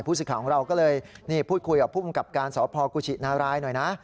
สิทธิ์ของเราก็เลยนี่พูดคุยกับผู้มกับการสพกุชินารายหน่อยนะ